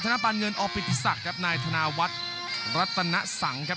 นาปานเงินอปิติศักดิ์ครับนายธนาวัฒน์รัตนสังครับ